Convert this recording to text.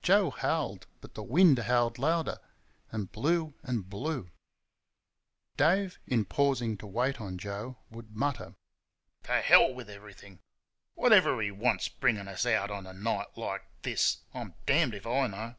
Joe howled, but the wind howled louder, and blew and blew. Dave, in pausing to wait on Joe, would mutter: "To HELL with everything! Whatever he wants bringing us out a night like this, I'm DAMNED if I know!"